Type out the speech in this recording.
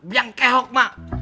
yang kek mak